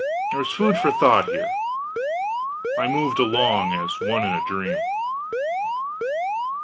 There was food for thought here. I moved along as one in a dream.